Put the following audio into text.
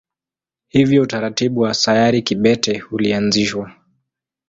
Hivyo utaratibu wa sayari kibete ulianzishwa.